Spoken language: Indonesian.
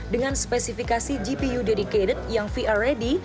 dengan spesifikasi gpu dedicated yang vr ready